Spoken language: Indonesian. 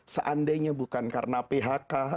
seandainya bukan karena phk